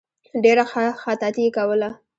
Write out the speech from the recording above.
ډېره ښه خطاطي یې کوله.